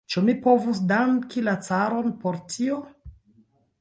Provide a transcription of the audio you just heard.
Ĉu mi povus danki la caron por tio?